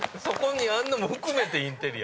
そこにあるのも含めて。